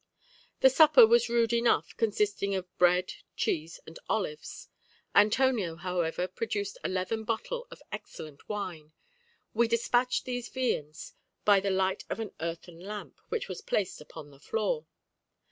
The supper was rude enough, consisting of bread, cheese, and olives; Antonio, however, produced a leathern bottle of excellent wine. We dispatched these viands by the light of an earthen lamp, which was placed upon the floor.